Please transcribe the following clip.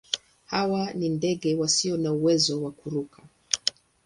Hawa ni ndege wasio na uwezo wa kuruka.